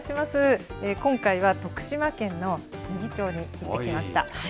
今回は徳島県の牟岐町に行ってきました。